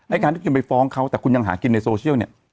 การที่คุณไปฟ้องเขาแต่คุณยังหากินในโซเชียลเนี่ย